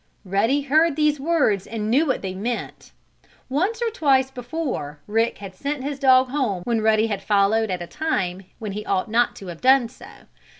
Ruddy heard these words and he knew what they meant. Once or twice before Rick had sent his dog home when Ruddy had followed at a time when he ought not to have done so.